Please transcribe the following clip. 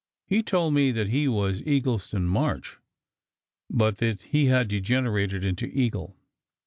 He told me that he was Eagleston March, but that he had degenerated into " Eagle."